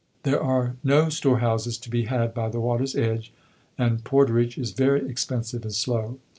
There are no store houses to be had by the water's edge, and porterage is very expensive and slow."